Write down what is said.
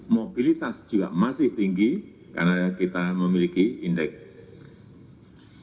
mobilitas juga masih tinggi karena kita memiliki indeks